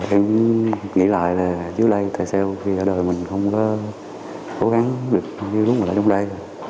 em nghĩ lại là dưới đây tại sao vì ở đời mình không có cố gắng được như lúc mà ở trong đây